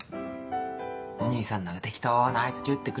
お義兄さんなら適当な相づち打ってくれるのに。